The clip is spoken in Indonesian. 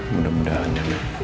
mudah mudahan ya mak